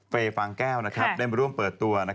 เฟญฝั่งแก้วนะครับเล่นมาร่วมเปิดตัว